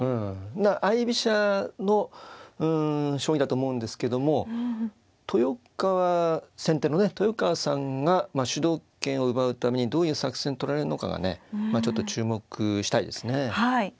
まあ相居飛車の将棋だと思うんですけども豊川先手のね豊川さんが主導権を奪うためにどういう作戦を取られるのかがねちょっと注目したいですね。